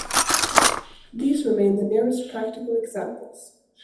These remain the nearest practical examples.